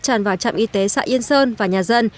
tràn vào trạm y tế xã yên sơn và nhà dân